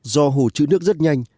do hồ chứa nước rất nhanh